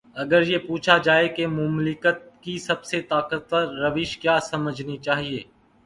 اگر یہ پوچھا جائے کہ مملکت کی سب سے طاقتور روش کیا سمجھنی چاہیے۔